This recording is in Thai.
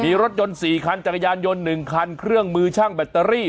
มีรถยนต์๔คันจักรยานยนต์๑คันเครื่องมือช่างแบตเตอรี่